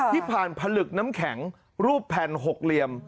ที่ผ่านผลึกน้ำแข็งรูปแผ่น๖เหลี่ยม